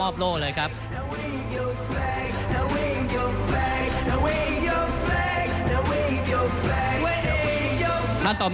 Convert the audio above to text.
ท่านแรกครับจันทรุ่ม